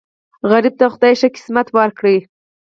سوالګر ته خدای ښه قسمت ورکړي